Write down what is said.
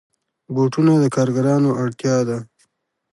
بوټونه د کارګرانو اړتیا ده.